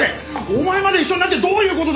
お前まで一緒になってどういう事だ！？